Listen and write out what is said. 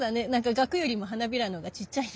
がくよりも花びらのほうがちっちゃいね。